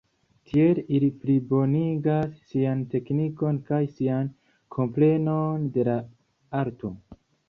Tiel ili plibonigas sian teknikon kaj sian komprenon de la arto.